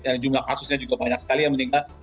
dan jumlah kasusnya juga banyak sekali yang meninggal